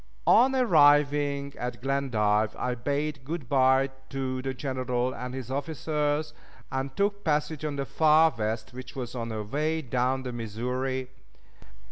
On arriving at Glendive I bade good by to the General and his officers, and took passage on the Far West, which was on her way down the Missouri.